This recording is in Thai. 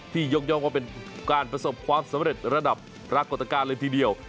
ยกย่องว่าเป็นการประสบความสำเร็จระดับปรากฏการณ์เลยทีเดียว